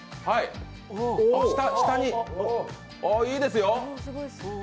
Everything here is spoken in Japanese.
下に、いいですよ。